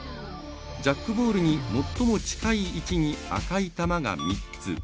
ジャックボールに最も近い位置に赤い球が３つ。